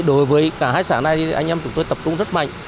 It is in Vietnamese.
đối với cả hai xã này thì anh em chúng tôi tập trung rất mạnh